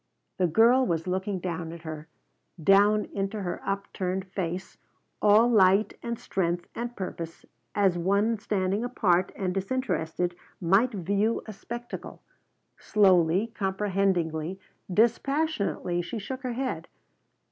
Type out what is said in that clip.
The girl was looking down at her, down into the upturned face, all light and strength and purpose as one standing apart and disinterested might view a spectacle. Slowly, comprehendingly, dispassionately she shook her head.